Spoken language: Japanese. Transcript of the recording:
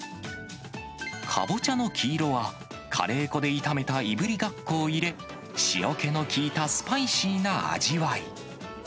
かぼちゃの黄色は、カレー粉で炒めたいぶりがっこを入れ、塩気の効いたスパイシーな味わい。